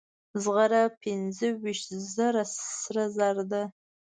زغره پنځه ویشت زره سره زر ده.